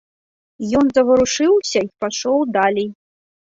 Ён заварушыўся і пайшоў далей.